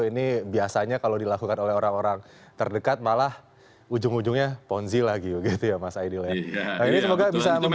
ini biasanya kalau dilakukan oleh orang orang terdekat malah ujung ujungnya ponzi lagi begitu ya mas aidil ya